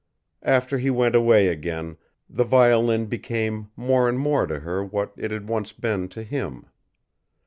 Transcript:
After he went away again, the violin became more and more to her what it had once been to him.